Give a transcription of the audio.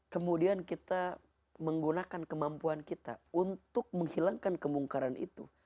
kemudian kita menggunakan kemampuan kita untuk menghilangkan kemungkaran itu